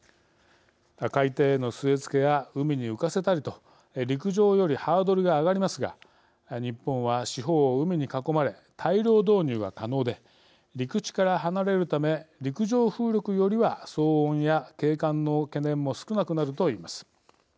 海底への据え付けや海に浮かせたりと陸上よりハードルが上がりますが日本は四方を海に囲まれ大量導入が可能で陸地から離れるため陸上風力よりは騒音や景観の懸念も少なくなると言います。